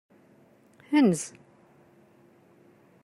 Enz.